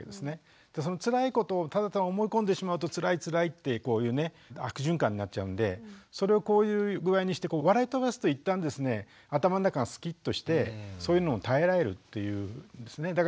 そのつらいことをただただ思い込んでしまうとつらいつらいってこういうね悪循環になっちゃうんでそれをこういう具合にして笑い飛ばすと一旦ですね頭の中がスキッとしてそういうのを耐えられるっていうんですね。